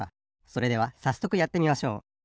それではさっそくやってみましょう。